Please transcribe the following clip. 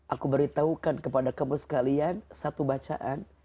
aku beritahukan kepada kamu sekalian satu bacaan